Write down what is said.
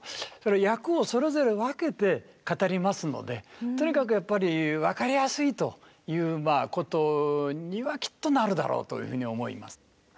役をそれぞれ分けて語りますのでとにかくやっぱり分かりやすいということにはきっとなるだろうというふうに思います。